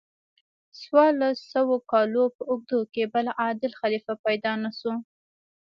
څوارلس سوو کالو په اوږدو کې بل عادل خلیفه پیدا نشو.